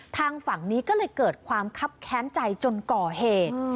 ทางฝั่งนี้ก็เลยเกิดความคับแค้นใจจนก่อเหตุ